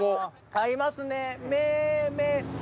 合いますね。